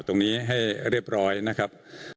ตรงนี้ให้เรียบร้อยนะครับ